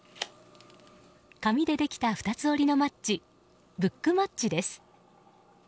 紙でできた２つ折りのマッチブックマッチです。